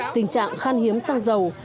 tình trạng khan hiếm xăng dầu